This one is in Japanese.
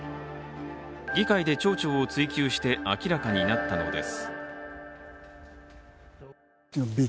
議会で町長を追及して明らかになったのです。